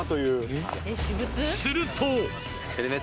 すると！